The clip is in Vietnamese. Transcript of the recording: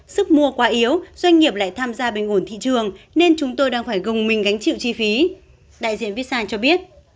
sức mua quá yếu doanh nghiệp lại tham gia bình ổn thị trường nên chúng tôi đang phải gồng mình gánh chịu chi phí đại diện vitsan cho biết